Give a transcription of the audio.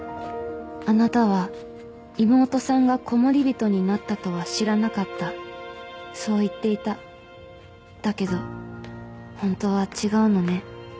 あなたは妹さんがコモリビトになったとは知らなかったそう言っていただけど本当は違うのね